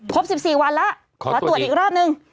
๑๔วันแล้วขอตรวจอีกรอบนึง